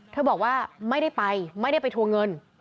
บอกว่าไม่ได้ไปไม่ได้ไปทวงเงิน